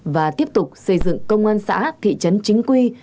và tiếp tục xây dựng công an xã thị trấn chính quy